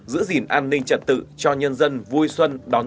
giữ gìn an ninh trật tự cho nhân dân vui xuân